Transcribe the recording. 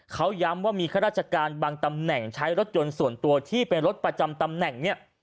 เขาย้ำว่ามีข้าราชการบางตำแหน่งใช้รถยนต์ส่วนตัวที่เป็นรถประจำตำแหน่งเนี่ย